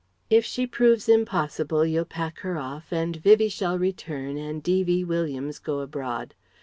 If she proves impossible you'll pack her off and Vivie shall return and D.V. Williams go abroad....